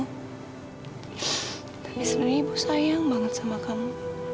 tapi sebenernya ibu sayang banget sama kamu